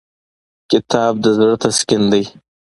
کتاب د زړه تسکین دی.